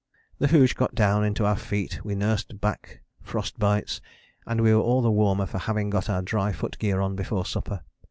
The hoosh got down into our feet: we nursed back frost bites: and we were all the warmer for having got our dry foot gear on before supper.